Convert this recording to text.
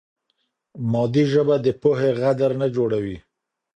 مادي ژبه د پوهې غدر نه جوړوي.